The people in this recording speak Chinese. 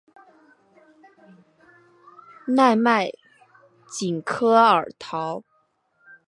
奈迈什科尔陶。